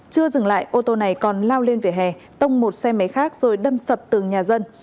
chưa dừng lại ô tô này còn lao lên vỉa hè tông một xe máy khác rồi đâm sập từng nhà dân